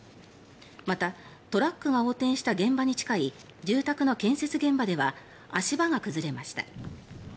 またトラックが横転した現場に近い住宅の建設現場は足場が崩れました。